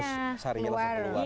terus saringnya langsung keluar